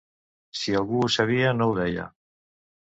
Si algú ho sabia, no ho deia.